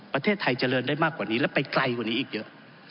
ประเทศไทยเจริญได้มากกว่านี้แล้วไปไกลกว่านี้อีกเยอะ